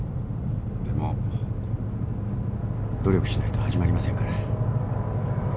でも努力しないと始まりませんから。